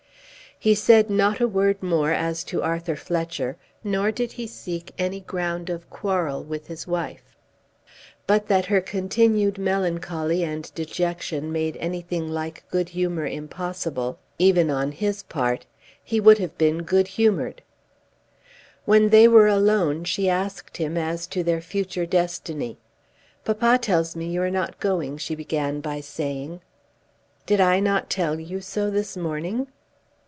He said not a word more as to Arthur Fletcher, nor did he seek any ground of quarrel with his wife. But that her continued melancholy and dejection made anything like good humour impossible, even on his part, he would have been good humoured. When they were alone she asked him as to their future destiny. "Papa tells me you are not going," she began by saying. "Did I not tell you so this morning?"